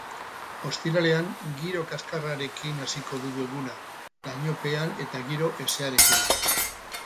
Ostiralean giro kaskarrarekin hasiko dugu eguna, lainopean eta giro hezearekin.